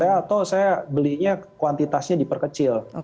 atau saya belinya kuantitasnya diperkecil